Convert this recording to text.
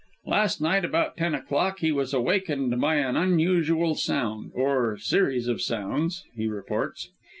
Last night about ten o'clock he was awakened by an unusual sound, or series of sounds, he reports.